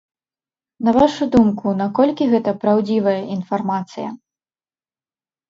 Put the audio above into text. На вашу думку, наколькі гэта праўдзівая інфармацыя?